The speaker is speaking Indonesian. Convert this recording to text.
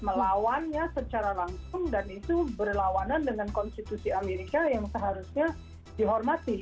melawannya secara langsung dan itu berlawanan dengan konstitusi amerika yang seharusnya dihormati